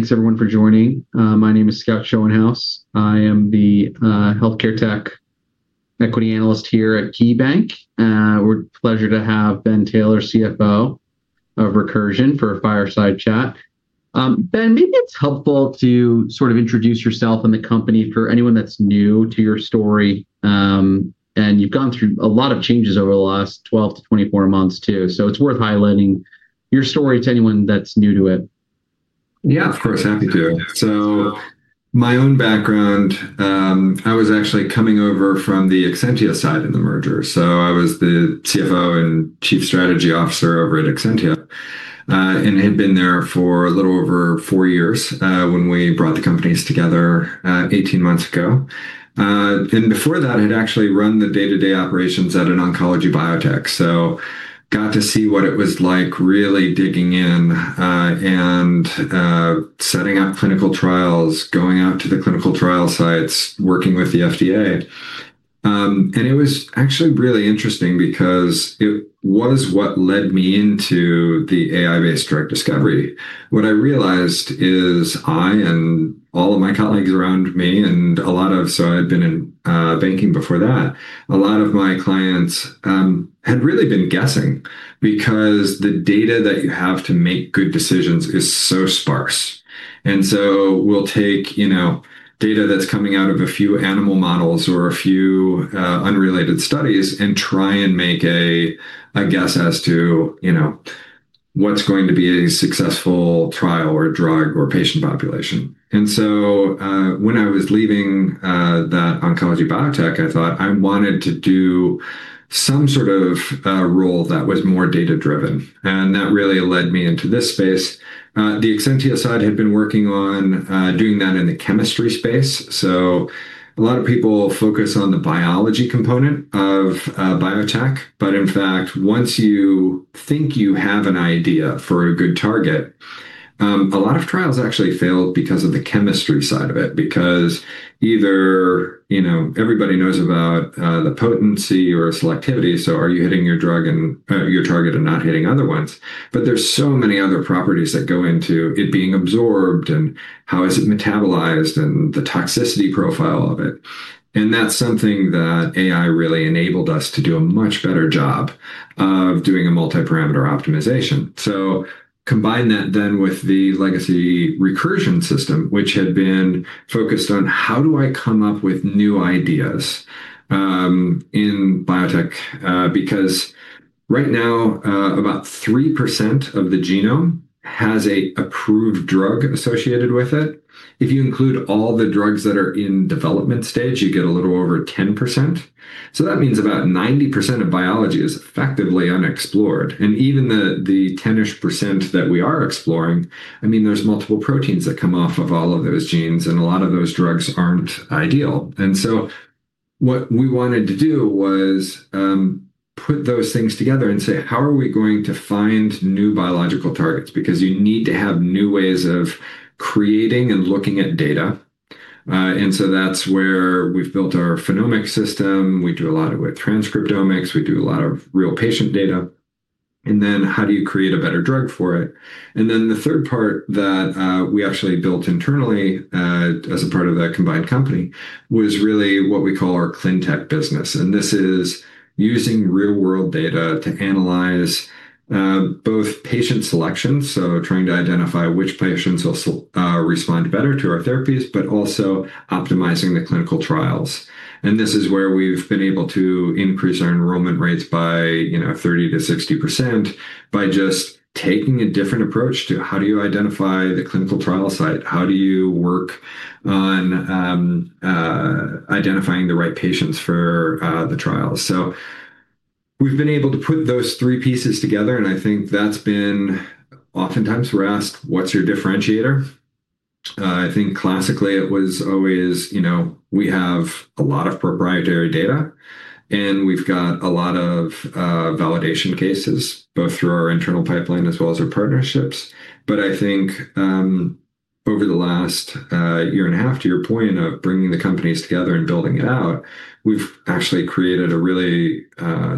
Great. Thanks everyone for joining. My name is Scott Schoenhaus. I am the healthcare tech equity analyst here at KeyBank. Pleasure to have Ben Taylor, CFO of Recursion for a fireside chat. Ben, maybe it's helpful to sort of introduce yourself and the company for anyone that's new to your story. You've gone through a lot of changes over the last 12-24 months too, so it's worth highlighting your story to anyone that's new to it. Yeah, of course. Happy to. My own background, I was actually coming over from the Exscientia side of the merger. I was the CFO and Chief Strategy Officer over at Exscientia, and had been there for a little over four years, when we brought the companies together, 18 months ago. Before that, I had actually run the day-to-day operations at an oncology biotech. Got to see what it was like really digging in and setting up clinical trials, going out to the clinical trial sites, working with the FDA. It was actually really interesting because it was what led me into the AI-based drug discovery. What I realized is I and all of my colleagues around me. I'd been in banking before that. A lot of my clients had really been guessing because the data that you have to make good decisions is so sparse. We'll take, you know, data that's coming out of a few animal models or a few unrelated studies and try and make a guess as to, you know, what's going to be a successful trial or drug or patient population. When I was leaving that oncology biotech, I thought I wanted to do some sort of role that was more data-driven, and that really led me into this space. The Exscientia side had been working on doing that in the chemistry space. A lot of people focus on the biology component of biotech. In fact, once you think you have an idea for a good target, a lot of trials actually fail because of the chemistry side of it, because either, you know, everybody knows about the potency or selectivity, so are you hitting your drug and your target and not hitting other ones? There's so many other properties that go into it being absorbed and how is it metabolized and the toxicity profile of it. That's something that AI really enabled us to do a much better job of doing a multi-parameter optimization. Combine that then with the legacy Recursion system, which had been focused on how do I come up with new ideas in biotech. Because right now, about 3% of the genome has an approved drug associated with it. If you include all the drugs that are in development stage, you get a little over 10%. That means about 90% of biology is effectively unexplored. Even the 10-ish% that we are exploring, I mean, there's multiple proteins that come off of all of those genes, and a lot of those drugs aren't ideal. What we wanted to do was put those things together and say, "How are we going to find new biological targets?" Because you need to have new ways of creating and looking at data. That's where we've built our phenomic system. We do a lot of it with transcriptomics. We do a lot of real patient data. Then how do you create a better drug for it? Then the third part that we actually built internally as a part of the combined company was really what we call our ClinTech business, and this is using real-world data to analyze both patient selection, so trying to identify which patients will respond better to our therapies, but also optimizing the clinical trials. This is where we've been able to increase our enrollment rates by, you know, 30%-60% by just taking a different approach to how do you identify the clinical trial site. How do you work on identifying the right patients for the trials. We've been able to put those three pieces together, and I think that's been. Oftentimes we're asked, "What's your differentiator?" I think classically it was always, you know, we have a lot of proprietary data and we've got a lot of validation cases both through our internal pipeline as well as our partnerships. I think over the last year and a half, to your point of bringing the companies together and building it out, we've actually created a really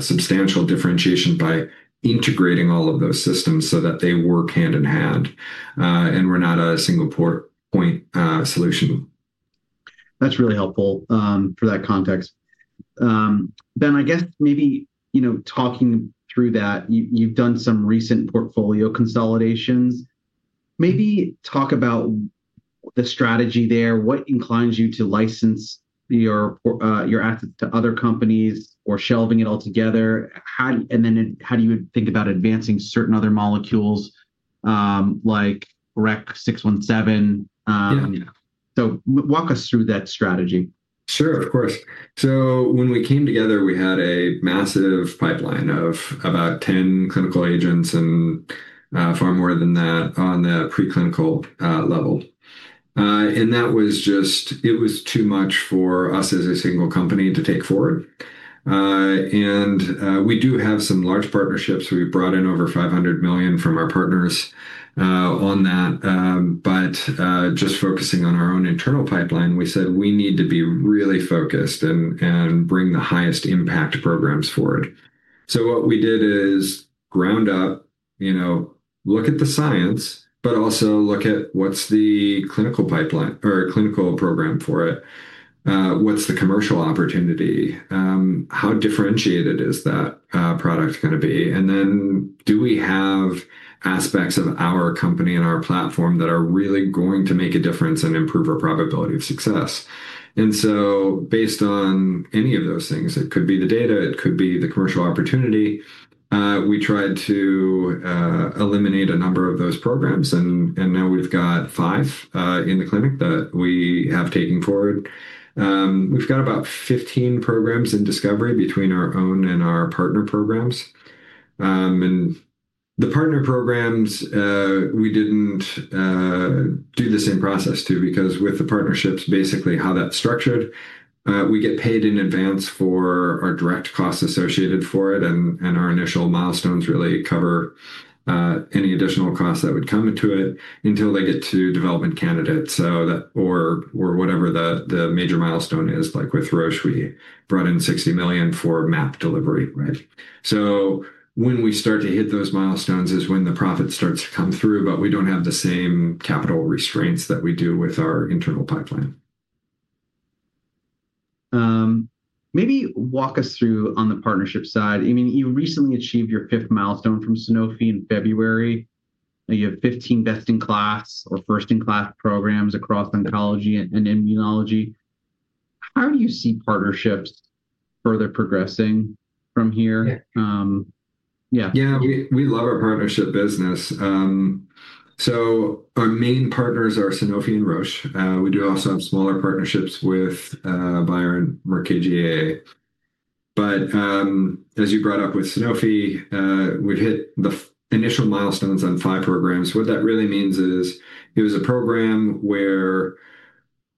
substantial differentiation by integrating all of those systems so that they work hand in hand. We're not a single point solution. That's really helpful for that context. Ben, I guess maybe, you know, talking through that, you've done some recent portfolio consolidations. Maybe talk about the strategy there. What inclines you to license your assets to other companies or shelving it all together? How do you think about advancing certain other molecules, like REC-617? Yeah. Walk us through that strategy. Sure, of course. When we came together, we had a massive pipeline of about 10 clinical agents and far more than that on the preclinical level. That was just too much for us as a single company to take forward. We do have some large partnerships. We brought in over $500 million from our partners on that. Just focusing on our own internal pipeline, we said we need to be really focused and bring the highest impact programs forward. What we did is ground up, you know, look at the science, but also look at what's the clinical pipeline or clinical program for it, what's the commercial opportunity, how differentiated is that product gonna be, and then do we have aspects of our company and our platform that are really going to make a difference and improve our probability of success. Based on any of those things, it could be the data, it could be the commercial opportunity, we tried to eliminate a number of those programs and now we've got five in the clinic that we have taken forward. We've got about 15 programs in discovery between our own and our partner programs. The partner programs, we didn't do the same process too, because with the partnerships, basically how that's structured, we get paid in advance for our direct costs associated for it and our initial milestones really cover any additional costs that would come into it until they get to development candidates. Or whatever the major milestone is, like with Roche, we brought in $60 million for milestone payment, right? When we start to hit those milestones is when the profit starts to come through, but we don't have the same capital restraints that we do with our internal pipeline. Maybe walk us through on the partnership side. I mean, you recently achieved your fifth milestone from Sanofi in February. You have 15 best-in-class or first-in-class programs across oncology and immunology. How do you see partnerships further progressing from here? Yeah. Yeah. Yeah. We love our partnership business. Our main partners are Sanofi and Roche. We do also have smaller partnerships with Bayer and Merck KGaA. As you brought up with Sanofi, we'd hit the initial milestones on five programs. What that really means is it was a program where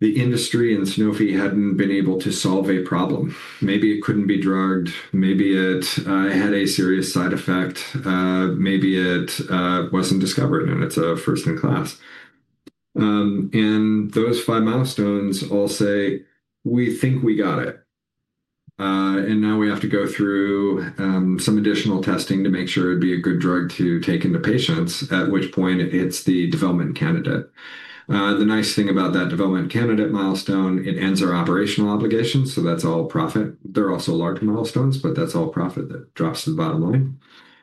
the industry and Sanofi hadn't been able to solve a problem. Maybe it couldn't be drugged, maybe it had a serious side effect, maybe it wasn't discovered and it's a first in class. Those five milestones all say, "We think we got it." Now we have to go through some additional testing to make sure it'd be a good drug to take into patients, at which point it hits the development candidate. The nice thing about that development candidate milestone, it ends our operational obligations, so that's all profit. They're also large milestones, but that's all profit that drops to the bottom line.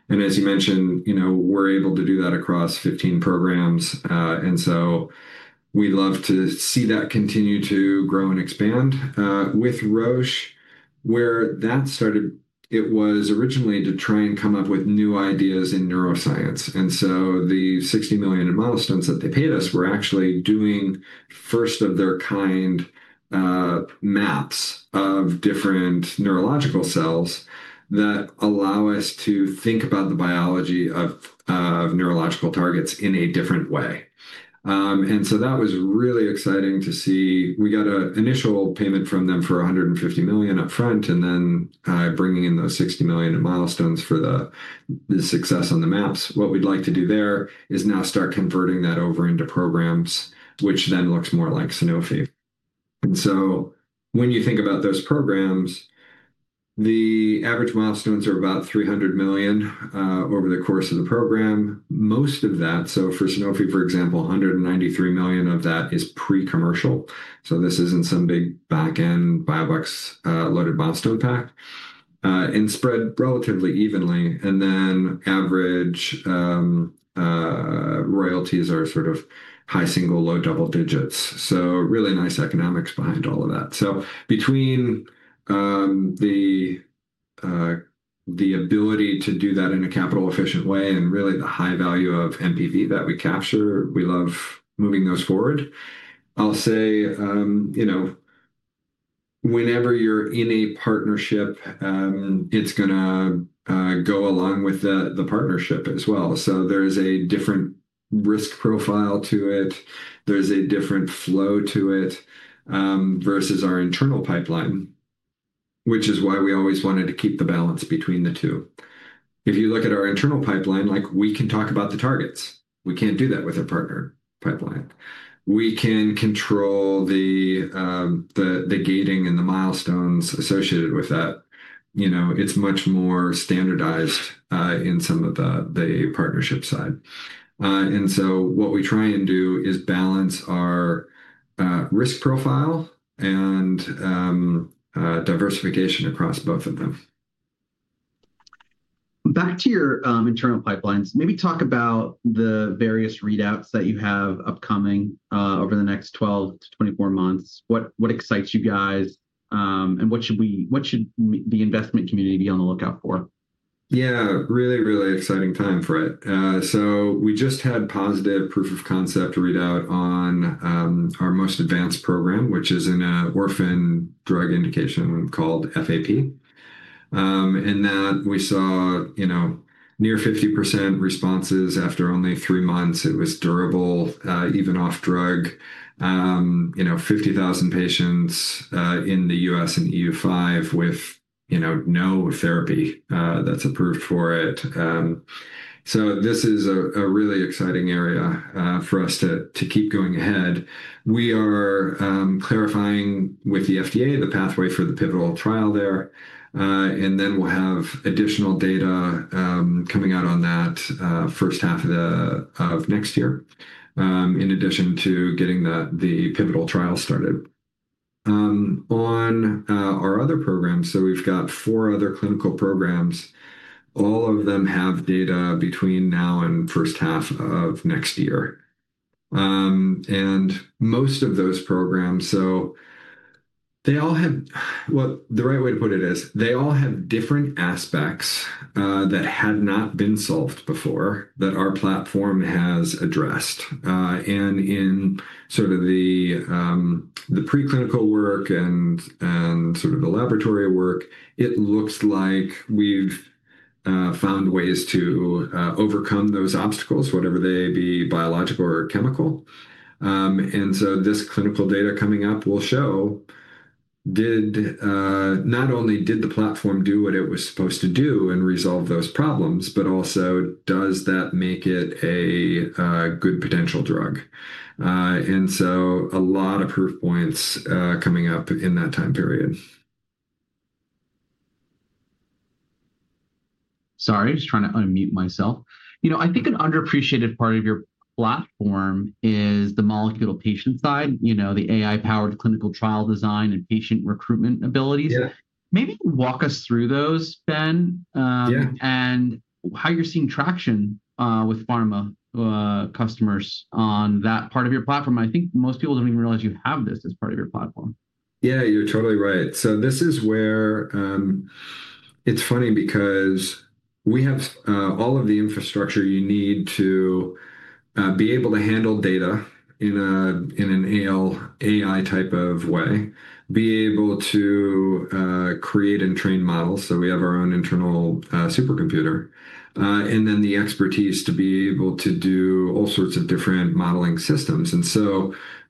As you mentioned, you know, we're able to do that across 15 programs, and so we love to see that continue to grow and expand. With Roche, where that started, it was originally to try and come up with new ideas in neuroscience. The $60 million in milestones that they paid us were actually doing first of their kind, maps of different neurological cells that allow us to think about the biology of neurological targets in a different way. That was really exciting to see. We got an initial payment from them for $150 million up front, and then bringing in those $60 million in milestones for the success on the maps. What we'd like to do there is now start converting that over into programs which then looks more like Sanofi. When you think about those programs, the average milestones are about $300 million over the course of the program, most of that. For Sanofi, for example, $193 million of that is pre-commercial. This isn't some big back-end biobucks-loaded milestone pack, and spread relatively evenly. Average royalties are sort of high single, low double digits. Really nice economics behind all of that. Between the ability to do that in a capital efficient way and really the high value of NPV that we capture, we love moving those forward. I'll say, you know, whenever you're in a partnership, it's gonna go along with the partnership as well. There's a different risk profile to it. There's a different flow to it versus our internal pipeline, which is why we always wanted to keep the balance between the two. If you look at our internal pipeline, like we can talk about the targets. We can't do that with a partner pipeline. We can control the gating and the milestones associated with that. You know, it's much more standardized in some of the partnership side. What we try and do is balance our risk profile and diversification across both of them. Back to your internal pipelines, maybe talk about the various readouts that you have upcoming over the next 12-24 months. What excites you guys, and wh at should the investment community be on the lookout for? Yeah. Really exciting time, Fred. We just had positive proof of concept readout on our most advanced program, which is an orphan drug indication called FAP. In that we saw, you know, near 50% responses after only three months. It was durable, even off drug. You know, 50,000 patients in the US and EU5 with, you know, no therapy that's approved for it. This is a really exciting area for us to keep going ahead. We are clarifying with the FDA the pathway for the pivotal trial there, and then we'll have additional data coming out on that first half of next year, in addition to getting the pivotal trial started. On our other programs, we've got four other clinical programs. All of them have data between now and first half of next year. Most of those programs, the right way to put it is, they all have different aspects that had not been solved before that our platform has addressed. In sort of the preclinical work and sort of the laboratory work, it looks like we've found ways to overcome those obstacles, whatever they be, biological or chemical. This clinical data coming up will show, not only did the platform do what it was supposed to do and resolve those problems, but also does that make it a good potential drug. A lot of proof points coming up in that time period. Sorry, I was trying to unmute myself. You know, I think an underappreciated part of your platform is the molecular patient side, you know, the AI-powered clinical trial design and patient recruitment abilities. Yeah. Maybe walk us through those, Ben. Yeah how you're seeing traction with pharma customers on that part of your platform. I think most people don't even realize you have this as part of your platform. Yeah, you're totally right. This is where, it's funny because we have all of the infrastructure you need to be able to handle data in an AI type of way, be able to create and train models, so we have our own internal supercomputer, and then the expertise to be able to do all sorts of different modeling systems.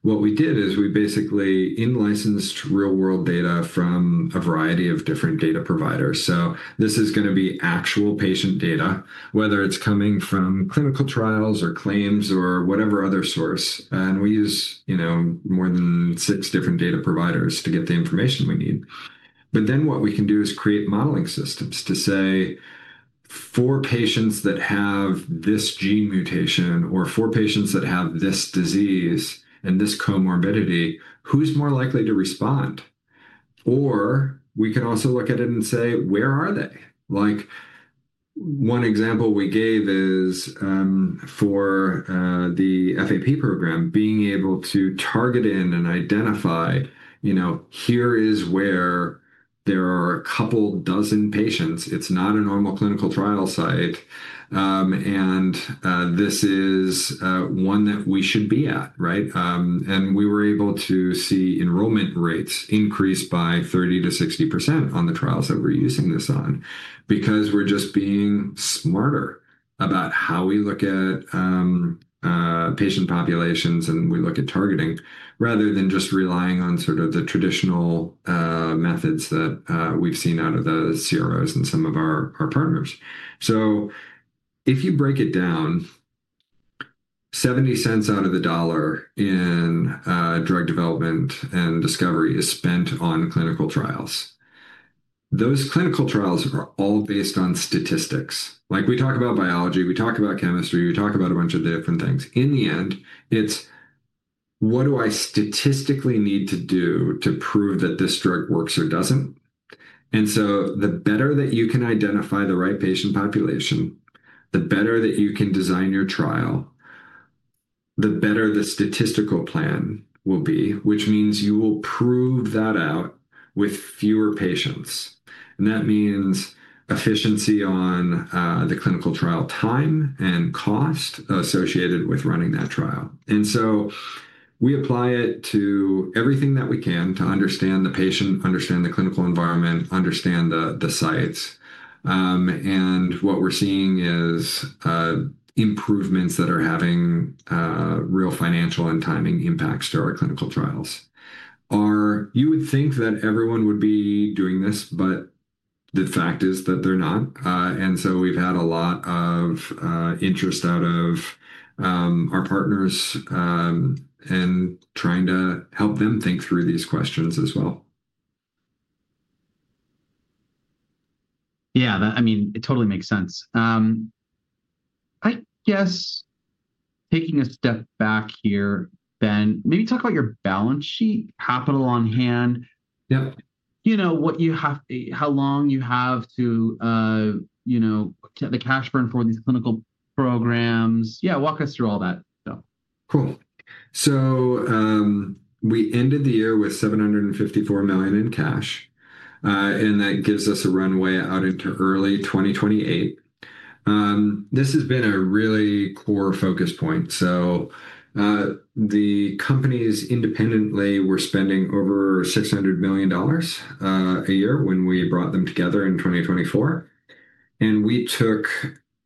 What we did is we basically in-licensed real-world data from a variety of different data providers. This is gonna be actual patient data, whether it's coming from clinical trials or claims or whatever other source. We use, you know, more than six different data providers to get the information we need. What we can do is create modeling systems to say, "For patients that have this gene mutation or for patients that have this disease and this comorbidity, who's more likely to respond?" Or we can also look at it and say, "Where are they?" Like one example we gave is, for the FAP program, being able to target in and identify, you know, here is where there are a couple dozen patients. It's not a normal clinical trial site, and this is one that we should be at, right? We were able to see enrollment rates increase by 30%-60% on the trials that we're using this on because we're just being smarter about how we look at patient populations, and we look at targeting rather than just relying on sort of the traditional methods that we've seen out of the CROs and some of our partners. If you break it down, 70 cents out of the dollar in drug development and discovery is spent on clinical trials. Those clinical trials are all based on statistics. Like we talk about biology, we talk about chemistry, we talk about a bunch of different things. In the end, it's what do I statistically need to do to prove that this drug works or doesn't? The better that you can identify the right patient population, the better that you can design your trial, the better the statistical plan will be, which means you will prove that out with fewer patients. That means efficiency on the clinical trial time and cost associated with running that trial. We apply it to everything that we can to understand the patient, understand the clinical environment, understand the sites. What we're seeing is improvements that are having real financial and timing impacts to our clinical trials. You would think that everyone would be doing this, but the fact is that they're not. We've had a lot of interest out of our partners and trying to help them think through these questions as well. Yeah, I mean, it totally makes sense. I guess taking a step back here, Ben, maybe talk about your balance sheet, capital on hand. Yep. You know, what you have, how long you have to, you know, the cash burn for these clinical programs. Yeah, walk us through all that, so. Cool. We ended the year with $754 million in cash, and that gives us a runway out into early 2028. This has been a really core focus point. The companies independently were spending over $600 million a year when we brought them together in 2024. We took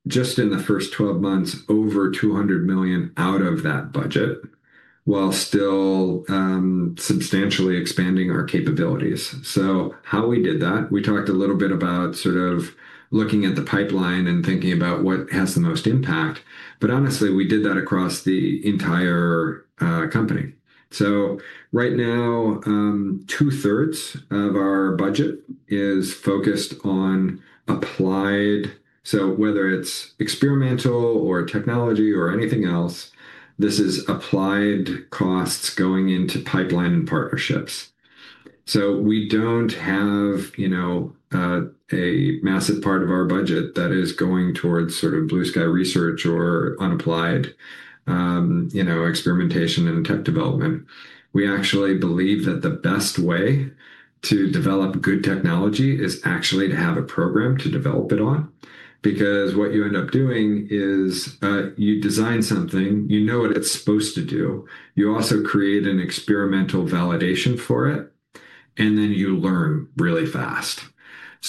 just in the first 12 months over $200 million out of that budget while still substantially expanding our capabilities. How we did that, we talked a little bit about sort of looking at the pipeline and thinking about what has the most impact. Honestly, we did that across the entire company. Right now, two-thirds of our budget is focused on applied. Whether it's experimental or technology or anything else, this is applied costs going into pipeline and partnerships. We don't have, you know, a massive part of our budget that is going towards sort of blue sky research or unapplied, you know, experimentation and tech development. We actually believe that the best way to develop good technology is actually to have a program to develop it on. Because what you end up doing is, you design something, you know what it's supposed to do, you also create an experimental validation for it, and then you learn really fast.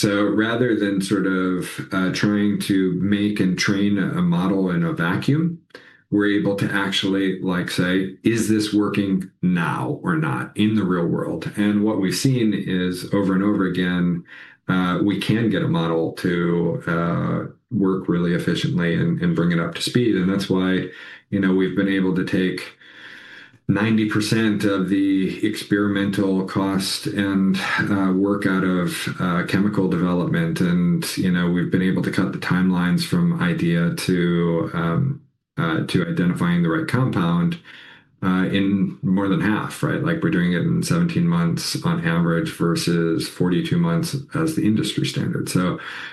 Rather than sort of trying to make and train a model in a vacuum, we're able to actually like say, "Is this working now or not in the real world?" What we've seen is over and over again, we can get a model to work really efficiently and bring it up to speed. That's why, you know, we've been able to take 90% of the experimental cost and work out of chemical development. You know, we've been able to cut the timelines from idea to identifying the right compound in more than half, right? Like we're doing it in 17 months on average versus 42 months as the industry standard.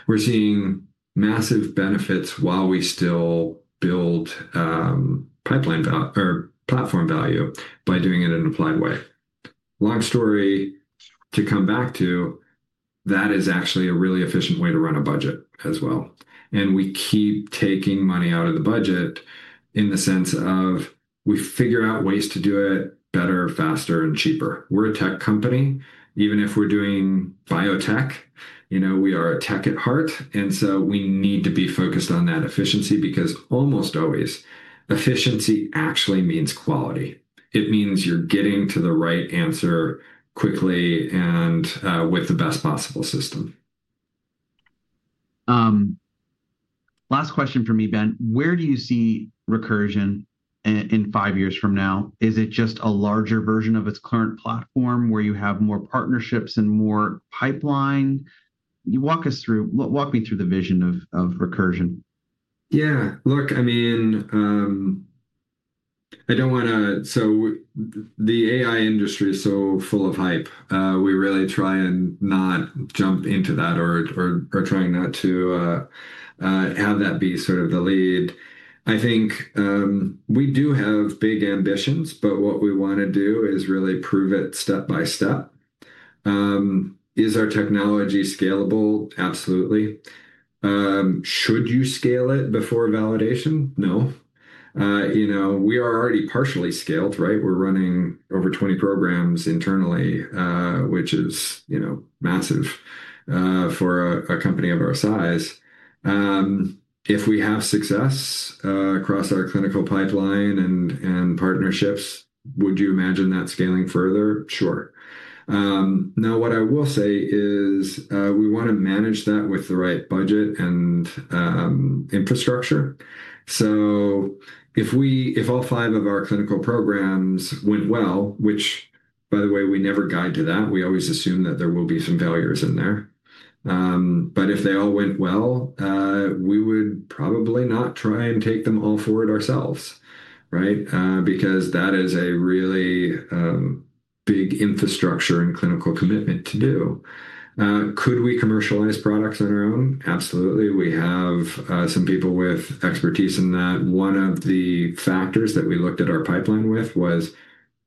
We're seeing massive benefits while we still build pipeline or platform value by doing it in an applied way. Long story to come back to, that is actually a really efficient way to run a budget as well. We keep taking money out of the budget in the sense of we figure out ways to do it better, faster, and cheaper. We're a tech company. Even if we're doing biotech, you know, we are a tech at heart, and so we need to be focused on that efficiency because almost always efficiency actually means quality. It means you're getting to the right answer quickly and with the best possible system. Last question from me, Ben. Where do you see Recursion in five years from now? Is it just a larger version of its current platform where you have more partnerships and more pipeline? Walk me through the vision of Recursion. Yeah. Look, I mean, the AI industry is so full of hype. We really try and not jump into that or trying not to have that be sort of the lead. I think, we do have big ambitions, but what we wanna do is really prove it step by step. Is our technology scalable? Absolutely. Should you scale it before validation? No. You know, we are already partially scaled, right? We're running over 20 programs internally, which is, you know, massive, for a company of our size. If we have success across our clinical pipeline and partnerships, would you imagine that scaling further? Sure. Now what I will say is, we wanna manage that with the right budget and infrastructure. If all five of our clinical programs went well, which by the way, we never guide to that, we always assume that there will be some failures in there. If they all went well, we would probably not try and take them all forward ourselves, right? Because that is a really big infrastructure and clinical commitment to do. Could we commercialize products on our own? Absolutely. We have some people with expertise in that. One of the factors that we looked at our pipeline with was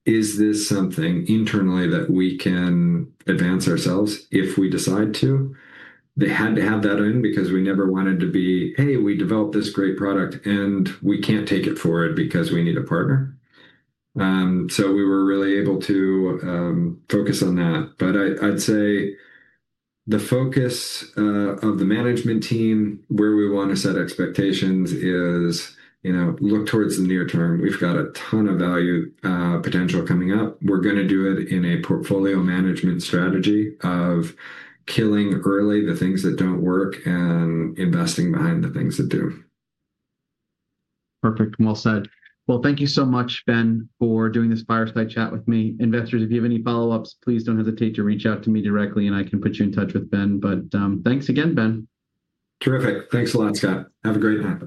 is this something internally that we can advance ourselves if we decide to? They had to have that in because we never wanted to be "Hey, we developed this great product, and we can't take it forward because we need a partner." We were really able to focus on that. I'd say the focus of the management team, where we wanna set expectations is, you know, look towards the near term. We've got a ton of value potential coming up. We're gonna do it in a portfolio management strategy of killing early the things that don't work and investing behind the things that do. Perfect. Well said. Well, thank you so much, Ben, for doing this Fireside Chat with me. Investors, if you have any follow-ups, please don't hesitate to reach out to me directly, and I can put you in touch with Ben. Thanks again, Ben. Terrific. Thanks a lot, Scott. Have a great night.